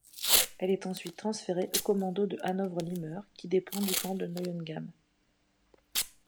Elle est ensuite transférée au Kommando de Hanovre-Limmer, qui dépend du camp de Neuengamme.